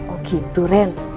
oh gitu ren